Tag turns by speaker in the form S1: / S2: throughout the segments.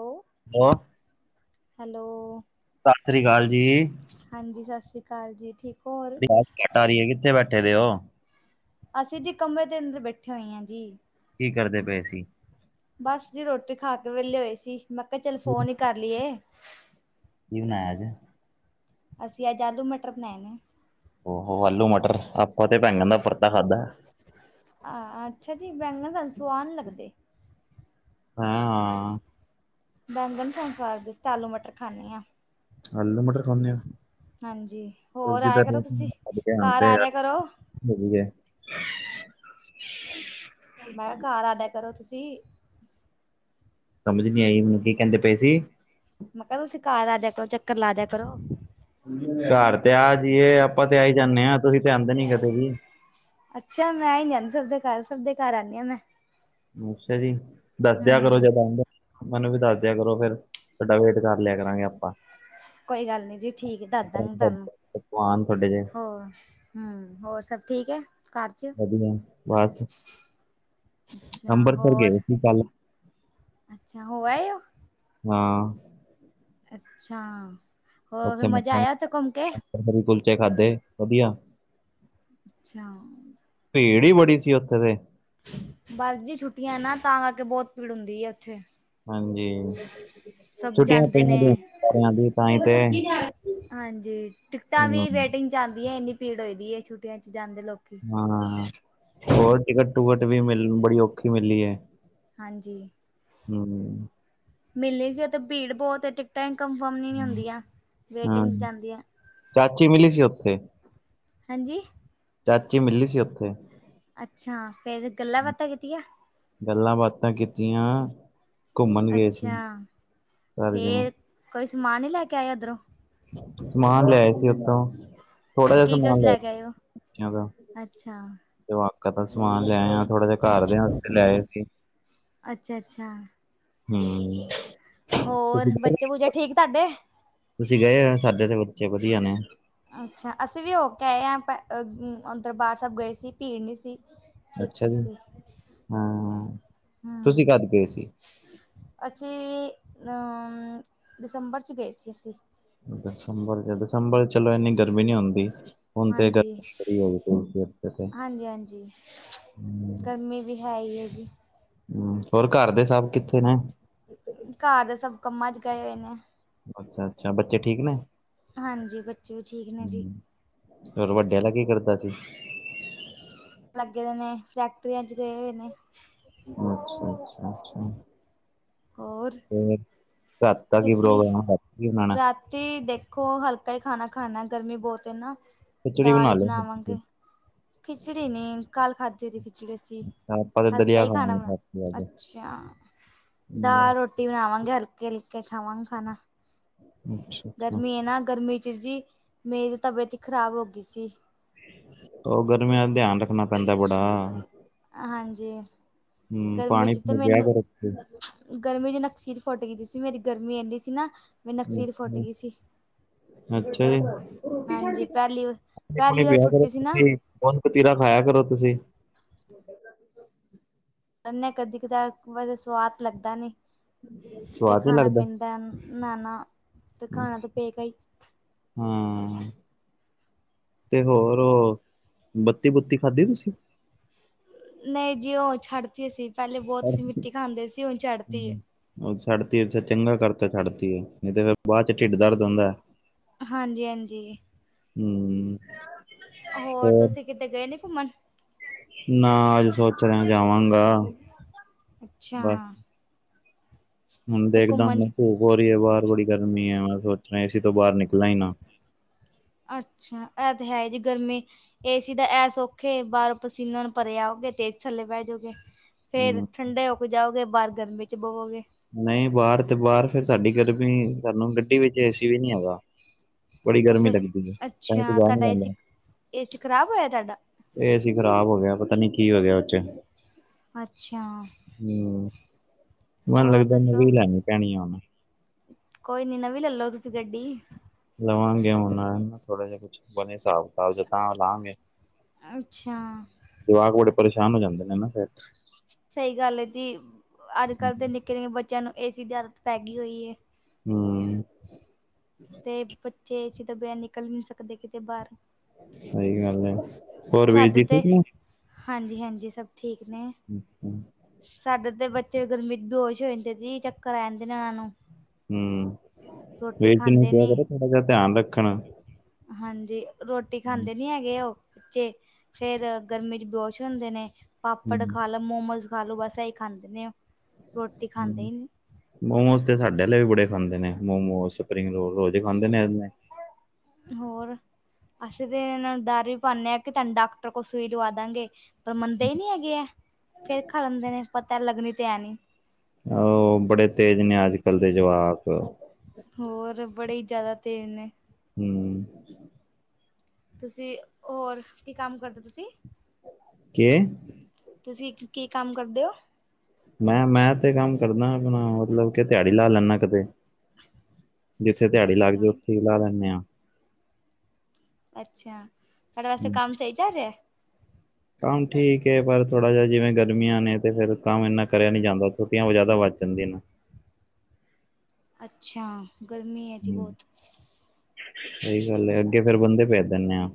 S1: ਉਹ
S2: ਹੈ
S1: ਹੈਲੋ
S2: ਸਤਿ ਸ੍ਰੀ ਅਕਾਲ ਜੀ
S1: ਸਤਿ ਸ਼੍ਰੀ ਹਾਂਜੀ। ਠੀਕ, ਹੋ ਹੋਰ?
S2: ਆਵਾਜ ਘੱਟ ਆ ਰਹੀ। ਕਿੱਥੇ ਬੈਠੇ ਦੇ ਉਹ
S1: ਅਸੀਂ ਦੀ ਕਮਰੇ ਦੇ ਅੰਦਰ ਬੈਠੇ ਹਾਂ।
S2: ਕੀ ਕਰਦੇ ਪਏ ਸੀ।
S1: ਬਸ, ਰੋਟੀ ਖਾ ਕੇ ਵਿਹਲੇ ਹੋ ਸੀ। ਮੈ ਕਿਹਾ ਚੱਲ ਫੋਨ ਕਰ ਲਿਆ।
S2: [inaudible]
S1: ਅਸੀ ਅੱਜ ਆਲੂ ਮਟਰ ਬੰਨ੍ਹਿਆ ਨੇ।
S2: ਉ ਆਲੂ -ਮਟਰ ਆਪਾਂ ਤਾਂ ਬੈੰਗਨ ਦਾ ਭੜਦਾ ਖਾਦਾ।
S1: ਆ ਅੱਛਾ ਜੀ ਜਾਮਣ ਤੁਹਾਨੂੰ ਸਵਾਦ ਨਈ ਲੱਗਦੇ
S2: ਹਾਂ
S1: [unintelligible] ਆਲੂ ਮਟਰ ਖਾਨੇ ਆ
S2: ਆਲੂ ਮਟਰ ਖਾਣੇ ਆ
S1: ਹਾਂਜੀ ਹੋਰ ਆਇਆ ਕਰੋ ਤੁਸੀਂ। ਘਰ
S2: [unintelligible]
S1: ਆ ਜਾਇਆ ਕਰੋ।
S2: ਵਧੀਆ [unintelligible]
S1: ਮੈਂ ਘਰ ਆ ਜਿਆ ਕਰੋ ਤੁਸੀਂ
S2: ਸਮਝ ਨਹੀਂ ਆਈ ਕੀ ਕਹਿੰਦੇ ਪੇ ਸੀ
S1: ਮੈਂ ਕਿਹਾ ਤੁਸੀਂ ਘਰ ਆ ਜਾਕੋ ਚੱਕਰ ਲਾ ਜਿਆ ਕਰੋ
S2: [unintelligible] ਜੀ ਆਪਾਂ ਤੇ ਜਾਨੇ ਆ। ਤੁਸੀਂ ਧਿਆਨ ਦੇਣੀ ਕਦੇ ਜੀ।
S1: ਅੱਛਾ ਮੈਂ ਹੀ ਨੀ ਆਂਦੀ ਸਭ ਦੇ ਸਭ ਦੇ ਘਰ ਆਉੰਦੀ ਆ ਮੈਂ
S2: [unintelligible] ਦੱਸ ਦਿਆ ਕਰੋ
S1: ਹੂੰ।
S2: ਜਦਾ ਸਾਨੂੰ ਵੀ ਦੱਸ ਦਿਆ ਕਰੋ ਫਿਰ, ਫਡਾ ਵੇਟ ਕਰ ਲਿਆ ਕਰਾਂਗੇ ਆਪਾਂ।
S1: ਕੋਈ ਗੱਲ ਨਹੀਂ ਜੀ ਠੀਕ [unintelligible] ਤੁਹਾਨੂੰ
S2: ਪਕਵਾਨ ਤੁਹਾਡੇ ਜੇ
S1: ਔਰ ਸਭ ਠੀਕ ਹ ਘਰ ਚ
S2: ਵਧੀਆ ਬਸ
S1: ਅੱਛਾ
S2: ਅੰਬਰਸਰ
S1: ਹੋਰ
S2: ਗਏ ਸੀ। ਕੱਲ
S1: ਅੱਛਾ ਹੋ ਆਏ ਉਹ
S2: ਹਾਂ
S1: ਅੱਛਾ। ਹੋਰ ਫਿਰ ਮਜ਼ਾ ਆਇਆ ਉੱਥੇ ਘੁੰਮ ਕੇ
S2: [unintelligible] ਕੁਲਚੇ ਖਾਦੇ ਵਧੀਆ
S1: ਅੱਛਾ।
S2: ਭੀੜ ਹੀ ਬੜੀ ਸੀ ਉੱਥੇ ਤੇ
S1: ਬਸ ਜੀ ਛੁੱਟੀਆਂ ਨਾ ਤਾਂ ਕਰਕੇ ਬਹੁਤ ਭੀੜ ਹੁੰਦੀ ਆ ਉੱਥੇ
S2: ਹਾਂਜੀ
S1: ਸਭ
S2: ਛੁਟੀਆਂ
S1: ਜਾਂਦੇ
S2: ਪਾਈਆਂ
S1: ਨੇ
S2: ਦੀਆਂ ਸਾਰਿਆਂ ਦੀਆਂ ਤਾਂ ਏ ਤੇ
S1: ਹਾਂਜੀ
S2: ਹੂੰ,
S1: ਜਾਂਦੇ ਲੋਕੀ
S2: ਹਾਂ, ਹੋਰ ਟਿਕਟ-ਟੁਕਟ ਵੀ ਮਿਲ ਬੜੀ ਔਖੀ ਮਿਲੀ ਹੈ।
S1: ਹਾਂਜੀ।
S2: ਹਰ
S1: ਮਿਲਣੀ ਸੀ ਉਥੇ ਭੀੜ ਬਹੁਤ ਏ ਟਿਕਟਾਂ ਕਨਫਰਮ ਨਹੀਂ ਹੁੰਦੀਆਂ, ਵੇਟਿੰਗ 'ਚ ਜਾਂਦੀਆਂ।
S2: ਕੀ ਮਿਲੀ ਸੀ ਉੱਥੇ?
S1: ਹਾਂਜੀ।
S2: ਚਾਚੀ ਮਿਲੀ ਸੀ ਉੱਥੇ।
S1: ਅੱਛਾ ਫੇਰ ਗੱਲਾਂ-ਬਾਤਾਂ ਕੀਤੀਆਂ।
S2: ਗੱਲਾਂ-ਬਾਤਾਂ ਕੀਤੀਆਂ, ਘੁੰਮਣ ਗਏ ਸੀ,
S1: ਅੱਛਾ,
S2: ਸਾਰੇ ਜਾਣੇ।
S1: ਫੇਰ ਕੋਈ ਸਮਾਨ ਨੀ ਲੈ ਕੇ ਆਏ ਉੱਧਰੋਂ?
S2: ਸਮਾਨ ਲਿਆਏ ਸੀ ਉਥੋਂ ਥੋੜਾ ਜਿਹਾ
S1: ਕੀ
S2: ਸਮਾਨ
S1: ਕੁਛ
S2: ਲਿਆ
S1: ਲੈ ਕੇ ਆਏ ਓ?
S2: ਬੱਚਿਆਂ ਦਾ,
S1: ਅੱਛਾ,
S2: ਜਵਾਕ ਦਾ ਫਿਰ ਸਮਾਨ ਲਿਆਏ ਆ ਥੋੜਾ ਜਾ ਘਰਦਿਆਂ ਆਸਤੇ ਲੈ ਆਏ ਸੀ।
S1: ਅੱਛਾ-ਅੱਛਾ।
S2: ਹੂੰ
S1: ਹੋਰ
S2: ਤੁਸੀਂ ਗਏ,
S1: ਬੱਚੇ-ਬੁੱਚੇ ਠੀਕ ਤੁਹਾਡੇ?
S2: ਤੁਸੀਂ ਗਏ ਹੋ ਸਾਡੇ ਤੇ ਬੱਚੇ ਵਧੀਆ ਨੇ।
S1: ਅੱਛਾ ਅਸੀਂ ਵੀ ਹੋ ਕੇ ਆਏ ਆ ਦਰਬਾਰ ਸਾਹਿਬ ਗਏ ਸੀ ਭੀੜ ਨਹੀਂ ਸੀ।
S2: ਅੱਛਾ
S1: ਠੀਕ-ਠੀਕ
S2: ਜੀ,
S1: ਸੀ,
S2: ਹਾਂ ਤੁਸੀਂ
S1: ਹੂੰ।
S2: ਕਦ ਗਏ ਸੀ?
S1: ਅਸੀਂ ਆ ਦਸੰਬਰ 'ਚ ਗਏ ਸੀ ਅਸੀਂ।
S2: ਦਸੰਬਰ 'ਚ ਦਸੰਬਰ ਚਲੋ ਇੰਨੀ ਗਰਮੀ ਨੀ ਹੁੰਦੀ। ਹੁਣ ਤੇ
S1: ਹਾਂਜੀ,
S2: ਗਰਮੀ ਬੜੀ ਹੋਈ ਪਈ [unintelligible]
S1: ਹਾਂਜੀ-ਹਾਂਜੀ। ਗਰਮੀ ਵੀ ਹੈ ਈ ਏ।
S2: ਹਮ ਹੋਰ ਘਰ ਦੇ ਸਭ ਕਿੱਥੇ ਨੇ?
S1: ਘਰ ਦੇ ਸਭ ਕੰਮਾਂ 'ਚ ਗਏ ਹੋਏ ਨੇ।
S2: ਅੱਛਾ ਅੱਛਾ ਬੱਚੇ ਠੀਕ ਨੇ?
S1: ਹਾਂਜੀ, ਬੱਚੇ ਵੀ ਠੀਕ ਨੇ ਜੀ।
S2: ਹ ਹੋਰ ਵੱਡਿਆਂ ਨਾਲ ਕੀ ਕਰਦਾ ਸੀ?
S1: ਲੱਗੇ ਦੇ ਨੇ ਫੈਕਟਰੀਆਂ ਚ ਗਏ ਹੋਏ ਨੇ।
S2: ਅੱਛਾ ਅੱਛਾ ਅੱਛਾ
S1: ਹੋਰ
S2: ਫਿਰ? ਘਰ ਦਾ ਕੀ
S1: ਤੁਸੀਂ
S2: ਪ੍ਰੋਗਰਾਮ ਹੈ ਕੀ ਬਣਾਉਣਾ।
S1: ਖੋ ਹਲਕਾ ਹੀ ਖਾਣਾ ਖਾਣਾ ਗਰਮੀ ਬਹੁਤ ਏ ਨਾ
S2: ਖਿਚੜੀ
S1: ਦਾਲ
S2: ਬਣਾ
S1: ਹੀ
S2: ਲਓ ਫਿਰ
S1: ਬਣਾਵਾਂਗੇ।
S2: ਤੁਸੀਂ,
S1: ਖਿਚੜੀ ਨੀ ਕੱਲ ਖਾਧੀ ਸੀ। ਖਿਚੜੀ ਸੀ
S2: ਆਪਾਂ ਤੇ
S1: ਹਲਕਾ
S2: ਦਲੀਆ
S1: ਹੀ ਖਾਣਾ ਬਣਾਉਣਾ
S2: ਰਾਤੀ ਅੱਜ।
S1: ਅੱਛਾ।
S2: ਹੂੰ,
S1: ਦਾਲ ਰੋਟੀ ਬਣਾਵਾਂਗੇ ਹਰ ਮਿਲ ਕੇ ਖਾਵਾਂਗੇ ਖਾਣਾ
S2: ਅੱਛਾ ਅੱਛਾ,
S1: ਗਰਮੀ ਹੈ ਨਾ ਗਰਮੀ ਜੀ ਮੇਰੀ ਤਬੀਅਤ ਹੀ ਖਰਾਬ ਹੋ ਗਈ ਸੀ।
S2: ਉਹ ਗਰਮੀਆਂ ਦਾ ਧਿਆਨ ਰੱਖਣਾ ਪੈਂਦਾ ਬੜਾ।
S1: ਹਾਂਜੀ
S2: ਹੂੰ,
S1: ਗਰਮੀ
S2: ਪਾਣੀ
S1: ਚ ਤੇ
S2: ਪੂਣੀ ਪਿਆ
S1: ਮੈਨੂੰ
S2: ਕਰੋ ਤੁਸੀਂ
S1: ਗਰਮੀ ਚ ਨਕਸੀ ਫੁੱਟ ਗਈ ਸੀ ਮੇਰੀ ਗਰਮੀ ਇੰਨੀ ਸੀ ਨਾ ਮੇਰੀ ਨਕਸੀਰ ਫੁੱਟ ਗਈ ਸੀ।
S2: ਅੱਛਾ ਜੀ। ਰੋਟੀ ਛੱਡ
S1: ਹਾਂਜੀ
S2: ਕੇ
S1: ਪਹਿਲੀ
S2: ਪਾਣੀ ਪੁਣੀ
S1: ਪਹਿਲੀ ਵਾਰ
S2: ਪਿਆ ਕਰੋ
S1: ਫੁੱਟੀ ਸੀ ਨਾ
S2: ਤੁਸੀਂ ਗੋਦ ਕਤੀਰਾ ਖਾਇਆ ਕਰੋ ਤੁਸੀਂ।
S1: ਉਹਨੇ ਕਦੀ ਕਦਾ ਸਵਾਦ ਲੱਗਦਾ ਨਹੀਂ। ਤੇ
S2: ਸਵਾਦ ਨੀ
S1: ਖਾਣਾ
S2: ਲੱਗਦਾ।
S1: ਪੀਂਦਾ ਨ ਨਾ ਤੇ ਖਾਣਾ ਤਾਂ ਪਏਗਾ ਹੀ।
S2: ਹਾਂ। ਤੇ ਹੋਰ ਬੱਤੀ ਬੁੱਤੀ ਖਾਧੀ ਤੁਸੀਂ
S1: ਨਹੀਂ ਜੀ ਉਹ ਛੱਡਤੀ ਸੀ ਪਹਿਲੇ ਬਹੁਤ
S2: ਹੂੰ।
S1: ਸੀ ਮਿੱਟੀ ਖਾਂਦੇ ਸੀ ਉਹ ਛੱਡਦੀ।
S2: ਛੱਡ ਤੀ ਉਹ ਤੇ ਚੰਗਾ ਕਰਤਾ ਛੱਡਤੀ ਏ ਨਹੀਂ ਤੇ ਫੇਰ ਬਾਅਦ ਚ ਢਿੱਡ ਦਰਦ ਹੁੰਦਾ ਹੈ।
S1: ਹਾਂਜੀ ਹਾਂਜੀ।
S2: ਹੂੰ
S1: ਹੋਰ ਤੁਸੀਂ ਕਿਤੇ ਗਏ ਨੀ ਘੁੰਮਣ?
S2: ਨਾ ਅੱਜ ਸੋਚ ਰਿਹਾ ਜਾਵਾਂਗਾ।
S1: ਅੱਛਾ।
S2: ਬਸ ਹੁਣ
S1: ਤੇ
S2: ਦੇਖਦਾ ਆ,
S1: ਘੁੰਮਣ
S2: ਧੂਪ ਬੜੀ ਆ, ਬਾਹਰ ਬੜੀ ਗਰਮੀ ਆ। ਸੋਚ ਰਹੇ [inaudible] ਏ ਸੀ ਤੋਂ ਬਾਹਰ ਨਿਕਲਾ ਹੀ ਨਾ
S1: ਅੱਛਾ, ਇਹ ਤੇ ਹੈ ਜੀ ਗਰਮੀ ਏ ਸੀ ਤਾਂ ਇਹ ਸੁਖ ਏ ਬਾਹਰੋਂ ਪਸੀਨਾ ਨਾਲ ਭਰੇ ਆਓ। ਫਿਰ ਏ ਸੀ ਥੱਲੇ ਬਹਿ ਜਾਓਗੇ ਫਿਰ,
S2: ਹੂੰ
S1: ਠੰਡੇ ਹੋ ਕੇ ਜਾਓਗੇ, ਬਾਹਰ ਗਰਮੀ ਚ ਬਵੋਗੇ।
S2: ਨਹੀਂ ਬਾਹਰ ਤੇ ਬਾਹਰ ਫਿਰ ਸਾਡੀ ਘਰ ਵੀ, ਸਾਨੂੰ ਗੱਡੀ ਵਿੱਚ ਏਸੀ ਵੀ ਨਹੀਂ ਹੈਗਾ। ਬੜੀ ਗਰਮੀ
S1: ਫਿਰ
S2: ਲੱਗਦੀ ਏ, ਤਾਂਹੀ ਤੇ
S1: ਅੱਛਾ
S2: ਬਾਹਰ ਨੀ
S1: ਤੁਹਾਡਾ
S2: ਜਾਂਦਾ
S1: ਏਸੀ
S2: ਮੈ।
S1: ਏਸੀ ਖ਼ਰਾਬ ਹੋਇਆ ਤੁਹਾਡਾ
S2: ਏ ਸੀ ਖਰਾਬ ਹੋ ਗਿਆ, ਪਤਾ ਨੀ ਕੀ ਹੋ ਗਿਆ ਉਹ ਚ।
S1: ਅੱਛਾ।
S2: ਹੂੰ, ਮੈਨੂੰ
S1: ਹੋਰ
S2: ਲਗਦਾ
S1: ਦੱਸੋ
S2: ਨਵੀ ਲੈਣੀ ਪੈਣੀ ਆ ਹੁਣ।
S1: ਕੋਈ ਨੀ ਨਵੀਂ ਲੈਲੋ ਤੁਸੀਂ ਗੱਡੀ।
S2: ਲਵਾਂਗੇ ਹੁਣ ਨਾ ਥੋੜਾ ਜਿਹਾ ਕੁਛ ਬਣੇ ਹਿਸਾਬ ਕਿਤਾਬ ਤਾ ਲਾਵਾਂਗੇ।
S1: ਅੱਛਾ
S2: ਜਵਾਕ ਬੜੇ ਪਰੇਸ਼ਾਨ ਹੋ ਜਾਂਦੇ ਨੇ ਨਾ ਫਿਰ।
S1: ਸਹੀ ਗੱਲ ਹੈ ਜੀ, ਅੱਜ ਕੱਲ੍ਹ ਦੇ ਨਿੱਕੇ ਨਿੱਕੇ ਬੱਚਿਆਂ ਨੂੰ ਏ ਸੀ ਦੀ ਆਦਤ ਪੈ ਗਈ ਹੋਈ ਏ।
S2: ਹੂੰ।
S1: ਤੇ ਬੱਚੇ ਏ ਸੀ ਤੋ ਬਿਨਾਂ ਨਿਕਲ ਨਹੀਂ ਸਕਦੇ ਕਿਤੇ ਬਾਹਰ।
S2: ਸਹੀ ਗੱਲ ਹੈ, ਹੋਰ ਵੀਰ
S1: ਸਾਡੇ
S2: ਜੀ
S1: ਤੇ
S2: ਠੀਕ ਨੇ।
S1: ਹਾਂਜੀ ਹਾਂਜੀ, ਸਭ ਠੀਕ ਨੇ
S2: ਅੱਛਾ,
S1: ਸਾਡਾ ਤੇ ਬੱਚੇ ਗਰਮੀ ਬੇਹੋਸ਼ ਹੋ ਜਾਂਦੇ ਜੀ, ਚੱਕਰ ਆ ਜਾਂਦੇ ਨੇ ਉਹਨਾਂ ਨੂੰ।
S2: ਹੂੰ
S1: ਰੋਟੀ
S2: ਵੀਰ ਜੀ ਨੂੰ
S1: ਖਾਂਦੇ
S2: ਕਿਹਾ
S1: ਨੀ
S2: ਕਰੋ ਥੋੜਾ ਜਿਹਾ ਧਿਆਨ ਰੱਖਣ।
S1: ਤੇ ਰੋਟੀ
S2: ਹੂੰ
S1: ਖਾਂਦੇ ਨੀ ਹੈਗੇ ਉਹ ਬੱਚੇ, ਫਿਰ ਗਰਮੀ ਚ ਬੇਹੋਸ਼ ਹੁੰਦੇ ਨੇ।
S2: ਹੂੰ
S1: ਪਾਪੜ ਖਾ ਲੋ, ਮੋਮੋਸ ਖਾ ਲੋ, ਬਸ ਇਹੀ ਖਾਂਦੇ ਨੇ। ਰੋਟੀ ਖਾਂਦੇ ਹੀ ਨਹੀਂ
S2: ਮੋਮੋਸ ਤੇ ਸਾਡੇ ਆਲੇ ਵੀ ਬੜੇ ਖਾਂਦੇ ਨੇ ਮੋਮੋਸ। ਲੋਕ ਅਜੇ ਖਾਂਦੇ ਨੇ ਇਵੈ
S1: ਹੋਰ ਅਸੀਂ ਤਾਂ ਇਹਨਾਂ ਨੂੰ ਡਰ ਵੀ ਪਾਉਦੇ ਹਾਂ ਕਿ ਤਹਾਨੂੰ ਡਾਕਟਰ ਕੋਲ ਸੂਈ ਲਵਾ ਦਾਂਗੇ। ਪਰ ਮੰਨਦੇ ਹੀ ਨਹੀਂ ਹੈਗੇ ਏਹ, ਫੇਰ ਖਾਂਦੇ ਨੇ ਪਤਾ ਲੱਗਣੀ ਤੇ ਐਂ ਨੀ।
S2: ਆਹੋ ਬੜੇ ਤੇਜ਼ ਨੇ ਅੱਜ ਕੱਲ੍ਹ ਦੇ ਜਵਾਕ।
S1: ਹੋਰ ਬੜੇ ਹੀ ਜ਼ਿਆਦਾ ਤੇਜ਼ ਨੇ।
S2: ਹੂੰ।
S1: ਤੁਸੀਂ ਹੋਰ ਕੀ ਕੰਮ ਕਰਦੇ ਹੋ ਤੁਸੀਂ?
S2: ਕੇ
S1: ਤੁਸੀਂ ਕੀ ਕੰਮ ਕਰਦੇ ਹੋ?
S2: ਮੈਂ ਮੈਂ ਤੇ ਕੰਮ ਕਰਦਾ ਆਪਣਾ ਮਤਲਬ ਕੇ ਦਿਹਾੜੀ ਲਾ ਲੈਂਦਾ ਕਦੇ ਜਿੱਥੇ ਦਿਹਾੜੀ ਲੱਗ
S1: ਅੱਛਾ
S2: ਜਾਵੇ, ਉੱਥੇ ਹੀ ਲਾ ਲੈਂਨੇ ਆ।
S1: ਅੱਛਾ, ਤੁਹਾਡੇ ਵੈਸੇ ਕੰਮ ਸਹੀ ਚੱਲ ਰਿਹਾ ਏ
S2: ਕੰਮ ਠੀਕ ਏ, ਪਰ ਥੋੜ੍ਹਾ ਜਿਹਾ ਜਿਵੇਂ ਗਰਮੀਆਂ ਨੇ ਤੇ ਫੇਰ ਕੰਮ ਇੰਨਾ ਕਰਿਆ ਨੀ ਜਾਂਦਾ ਛੁੱਟੀਆਂ ਜ਼ਿਆਦਾ ਵੱਜ ਸਨਡੇਅ ਨੂੰ
S1: [unintelligible] ਅੱਛਾ ਗਰਮੀ ਹੈ ਜੀ
S2: ਹੂੰ
S1: ਬਹੁਤ।
S2: ਸਹੀ ਗੱਲ ਏ, ਅੱਗੇ ਫੇਰ ਬੰਦੇ ਭੇਜ ਦਿੰਦੇ ਆ।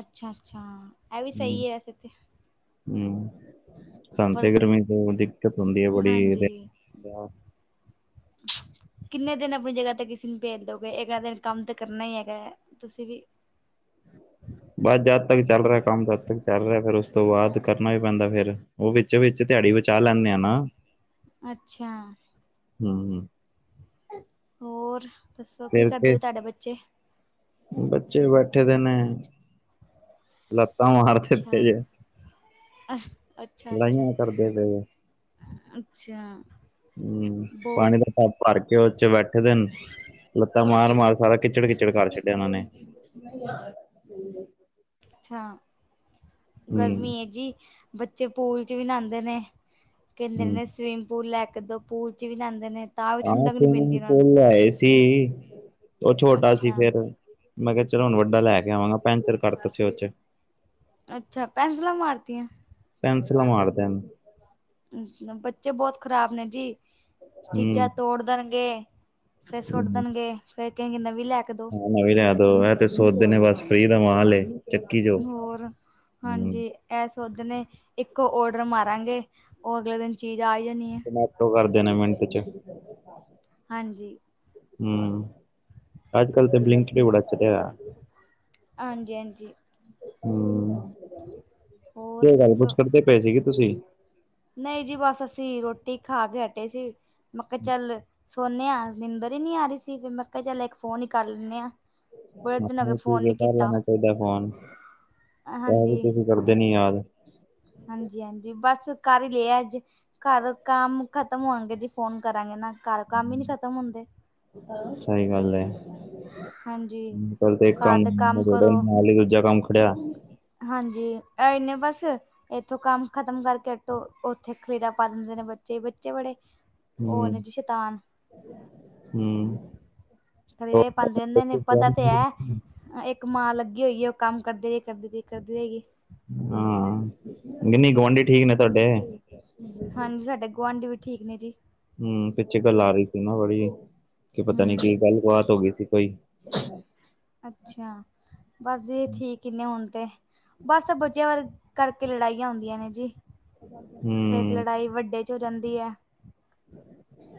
S1: ਅੱਛਾ ਅੱਛਾ ਐ ਵੀ
S2: ਹੂੰ
S1: ਸਹੀ ਵੈਸੇ ਤੇ।
S2: ਹੂੰ। ਸਾਨੂੰ
S1: ਪਰ
S2: ਤੇ ਗਰਮੀ ਤੋਂ ਦਿੱਕਤ ਹੁੰਦੀ ਆ ਬੜੀ
S1: ਹਾਂਜੀ ਕਿੰਨੇ ਦਿਨ ਆਪਣੀ ਜਗ੍ਹਾ ਤੇ ਕਿਸੇ ਨੂੰ ਭੇਜ ਦੋਗੇ, ਇਕ ਨਾ ਦਿਨ ਕੰਮ ਤੇ ਕਰਨਾ ਹੀ ਹੈਗਾ ਤੁਸੀਂ ਵੀ। [unintelligible]
S2: ਬਸ ਜਦ ਤੱਕ ਚੱਲ ਰਿਹਾ ਕੰਮ ਜਦ ਤੱਕ ਚੱਲ ਰਿਹਾ, ਫਿਰ ਉਸ ਤੋਂ ਬਾਅਦ ਕਰਨਾ ਵੀ ਪੈਂਦਾ ਫੇਰ ਉਹ ਵਿੱਚ ਵਿੱਚ ਦਿਹਾੜੀ ਬਚਾ ਲੈਂਦੇ ਆ ਨਾ
S1: ਅੱਛਾ।
S2: ਹਮ
S1: ਹੋਰ ਦੱਸੋ ਕੀ ਕਰਦੇ
S2: ਕੇ
S1: ਵੀ ਤੁਹਾਡੇ ਬੱਚੇ।
S2: ਬੱਚੇ ਬੈਠੇ ਦੇ ਨੇ, ਲੱਤਾਂ ਮਾਰਦੇ
S1: ਅੱਛਾ
S2: ਪੇ ਜੇ।
S1: [unintelligible] ਅੱਛਾ
S2: ਲੜਾਈਆਂ ਕਰਦੇ ਗਏ
S1: ਅੱਛਾ
S2: ਹਮ
S1: ਬਹੁਤ
S2: ਪਾਣੀ ਦਾ ਟਾਪ ਭਰ ਕੇ ਉਹ ਚੇ ਬੈਠੇ ਦੇ ਨੇ। ਲੱਤਾਂ ਮਾਰ ਮਾਰ ਸਾਰਾ ਕਿਚੜ ਕਿਿਚੜ ਕਰ ਛੱਡਿਆ ਉਹਨਾਂ ਨੇ। [unintelligible]
S1: ਅੱਛਾ
S2: ਹੂੰ
S1: ਗਰਮੀ ਹੈ ਜੀ ਬੱਚੇ ਪੂਲ ਚ ਵੀ ਨਾਂਉਦੇ ਨੇ। ਕਹਿੰਦੇ
S2: ਹੂੰ
S1: ਨੇ ਸਵੀਮਿੰਗ ਪੂਲ ਲੈ ਕੇ ਦੋ, ਪੂਲ ਚ ਵੀ ਨਾਦੇ ਨੇ। ਤਾਂ ਵੀ
S2: ਹਾਂ
S1: ਠੰਡਕ ਨੀ ਪੈਂਦੀ
S2: ਸਵਿਮਿੰਗ
S1: ਇਹਨਾਂ ਨੂੰ
S2: ਪੂਲ ਲਏ ਸੀ ਉਹ ਛੋਟਾ ਸੀ
S1: ਅੱਛਾ
S2: ਫੇਿਰ। ਮੈਂ ਕਿਹਾ ਚਲੋ ਹੁਣ ਵੱਡਾ ਲੈ ਕੇ ਆਵਾਂਗਾ ਪੈਂਚਰ ਕਰਤਾ ਸੀ ਉਹ ਚੇ।
S1: ਅੱਛਾ ਪੈਨਸਿਲਾਂ ਮਾਰਤੀਆਂ।
S2: ਪੈਂਸਿਲ ਮਾਰਦੇ ਨੇ।
S1: ਬੱਚੇ ਬਹੁਤ ਖ਼ਰਾਬ ਨੇ ਜੀ। ਚੀਜ਼ਾਂ
S2: ਹੂੰ
S1: ਤੋੜ ਦੇਣਗੇ ਫੇਰ ਸੁੱਟ ਦੇਣਗੇ ਫੇਰ ਕਹਿਣਗੇ ਨਵੀਂ ਲੈ ਕੇ ਦੋ
S2: ਹਾਂ ਨਵੀਂ ਲਹਿ ਦੋ ਇਹ ਤੇ ਸੋਚਦੇ ਨੇ ਬਸ ਫਰੀ ਦਾ ਮਾਲ ਏ। ਚੱਕੀ ਜੋ
S1: ਹੋਰ
S2: ਹੂੰ
S1: ਹਾਂਜੀ ਐਸ ਸੋਧਣੇ ਇੱਕੋ ਔਡਰ ਮਾਰਾਂਗੇ ਉਹ ਅਗਲੇ ਦਿਨ ਚੀਜ਼ ਆ ਜਾਣੀ ਹੈ।
S2: ਜਮੈਟੋ ਕਰਦੇ ਮਿੰਟ ਚ
S1: ਹਾਂਜੀ।
S2: ਹਮ ਆਜ ਕਲ ਤੇ ਬਲਿੰਕਿਟ ਬੜਾ ਚਲਿਆ
S1: ਹਾਂਜੀ ਹਾਂਜੀ।
S2: ਹੂੰ,
S1: ਹੋਰ
S2: ਕੀ ਗੱਲ ਕੁਛ ਕਰਦੇ ਪਏ ਸੀ ਗੇ ਤੁਸੀ?
S1: ਨਈ ਜੀ ਬਸ ਅਸੀਂ ਰੋਟੀ ਖਾ ਕੇ ਹਟੇ ਸੀ ਮੈਂ ਕਿਆ ਚੱਲ ਸੋਨੇ ਆ। ਨਿੰਦਰ ਈ ਨਈ ਆ ਰਹੀ ਸੀ ਫਿਰ ਮੈਂ ਕਿਆ ਚੱਲ ਇੱਕ ਫੋਨ ਈ ਕਰ ਲੈਨੇ ਆ।
S2: [unintelligible] ਠੀਕ ਐ ਕਰ ਲੈਣਾ ਚਾਹੀਦਾ ਫੋਨ। ਤਾ ਵੀ ਤੁਸੀਂ ਕਰਦੇ ਨੀ ਯਾਦ।
S1: ਹਾਂਜੀ-ਹਾਂਜੀ ਬਸ ਕਰ ਈ ਲਿਆ ਅੱਜ ਘਰ ਕੰਮ ਖਤਮ ਹੋਣਗੇ ਜੀ ਫੋਨ ਕਰਾਂਗੇ ਨਾ। ਘਰ ਕੰਮ ਈ ਨਈ ਖ਼ਤਮ ਹੁੰਦੇ।
S2: ਸਈ ਗੱਲ ਐ।
S1: ਹਾਂਜੀ
S2: ਚਲ ਤੇ ਇੱਕ
S1: ਘਰ
S2: ਕੰਮ
S1: ਦਾ
S2: ਨਬੇੜ
S1: ਕਰੋ
S2: ਨਾਲ਼ ਈ ਦੂਜਾ ਕੰਮ ਖੜਿਆ।
S1: ਹਾਂਜੀ, ਐਹ ਈ ਨੇ ਬਸ ਇੱਥੋਂ ਕੰਮ ਖਤਮ ਕਰਕੇ ਹਟੋ ਉੱਥੇ ਖਲੇਰਾ ਪਾ ਦਿੰਦੇ ਨੇ। ਨੇ ਬੱਚੇ-ਬੱਚੇ ਬੜੇ ਉਹ ਨੇ ਜੀ ਸ਼ੈਤਾਨ
S2: ਹੂੰ-ਹੂੰ
S1: ਖਲੇਰੇ ਪਾਂਦੇ ਰਹਿੰਦੇ ਨੇ ਪਤਾ ਤੇ ਐ ਇਕ ਮਾ ਲਗ ਜਓ ਜਓ ਕੰਮ ਕਰਦੇ ਰੇ ਕਰਦੇ ਰੇ ਕਰਦੀ ਰੇਗੀ
S2: ਹਾਂ, ਨਈ-ਨਈ ਗੁਆਂਢੀ ਠੀਕ ਨੇ ਤੁਹਾਡੇ।
S1: ਹਾਂਜੀ, ਸਾਡੇ ਗੁਆਂਢੀ ਵੀ ਠੀਕ ਨੇ ਜੀ।
S2: ਹੂੰ, ਪਿੱਛੇ ਗੱਲ ਆ ਰਹੀ ਸੀ ਨਾ ਬੜੀ ਕਿ ਪਤਾ ਨੀ ਕੀ
S1: ਹਮ
S2: ਗੱਲ ਬਾ ਬਾਤ ਹੋ ਗਈ ਸੀ ਕੋਈ
S1: ਅੱਛਾ, ਬਸ ਜੀ ਠੀਕ ਹੀ ਨੇ ਹੋਣ ਤੇ। ਬਸ ਬਚਿਆਂ ਵਰ ਕਰਕੇ ਲੜਾਈਆਂ ਹੁੰਦੀਆਂ ਨੇ ਜੀ।
S2: ਹੂੰ
S1: ਚੋ ਰੈਂਦੀ ਐ।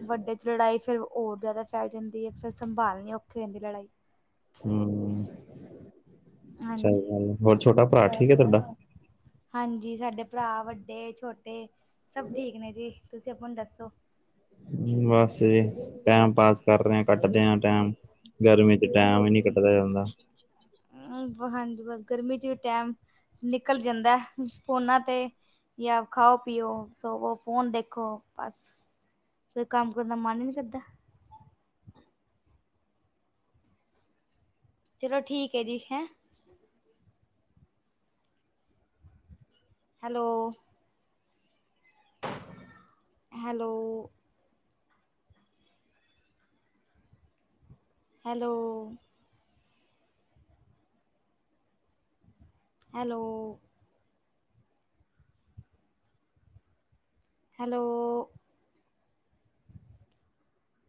S1: ਵੱਡੇ ਚ ਲੜਾਈ ਫਿਰ ਔਰ ਜ਼ਿਆਦਾ ਫੈਲ ਜਾਂਦੀ ਐ ਫਿਰ ਸੰਭਾਲਣੀ ਔਖੀ ਹੋ ਜਾਂਦੀ ਐ ਲੜਾਈ।
S2: ਹੂੰ
S1: ਹਾਂਜੀ,
S2: ਚੰਗਾ, ਹੋਰ ਛੋਟਾ ਭਰਾ ਠੀਕ ਹੈ ਤੁਹਾਡਾ।
S1: ਹਾਂਜੀ ਸਾਡੇ ਭਰਾ ਵੱਡੇ ਛੋਟੇ ਸਭ ਠੀਕ ਨੇ ਜੀ। ਤੁਸੀਂ ਆਪਨ ਦੱਸੋ।
S2: ਬਸ ਜੀ ਟੈਮ ਪਾਸ ਕਰ ਰਹੇ ਆ ਕੱਟਦੇ ਆ ਟਾਈਮ। ਗਰਮੀ ਚ ਟੈਮ ਈ ਨੀ ਕੱਟਦਾ ਜਾਂਦਾ
S1: ਅਮ, ਹਾਂਜੀ ਬਸ ਗਰਮੀ ਚ ਟੈਮ ਨਿਕਲ ਜਾਂਦਾ ਐ ਫੋਨਾਂ ਤੇ ਜਾਂ ਖਾਓ-ਪੀਓ, ਸੋਵੋ, ਫੋਨ ਦੇਖੋ ਬਸ ਸ ਕੰਮ ਕਰਨ ਦਾ ਮਨ ਈ ਨਈ ਕਰਦਾ ਚਲੋ ਠੀਕ ਐ ਜੀ ਹੈ। Hello hello hello hello hello